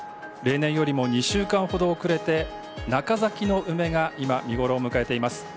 例年よりも２週間ほど遅れて中咲きの梅が見頃を迎えています。